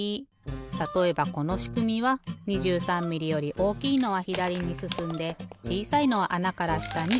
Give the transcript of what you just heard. たとえばこのしくみは２３ミリより大きいのはひだりにすすんでちいさいのはあなからしたにおちる。